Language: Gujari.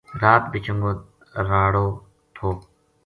رات بھی چنگو راڑو تھو